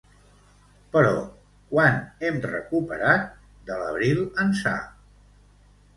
Però, quant hem recuperat de l’abril ençà?